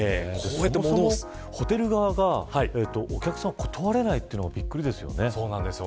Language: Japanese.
ホテル側がお客さんを断れないというのがびっくりです。